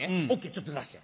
ちょっと出して。